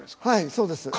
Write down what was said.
はいそうです。